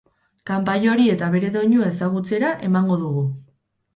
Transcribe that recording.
Kanpai hori eta bere doinua ezagutzera emango dugu.